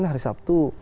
nah hari sabtu